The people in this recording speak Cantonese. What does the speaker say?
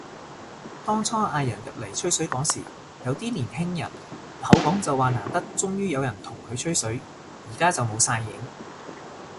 當初嗌人入嚟吹水嗰時，有啲年輕人口講就話難得終於有人同佢吹水，而家就冇晒影